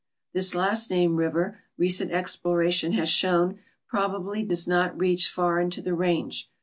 This last named river, recent exploration has shown, probably does not reach far into the range.